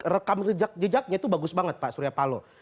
rekam jejaknya itu bagus banget pak surya palo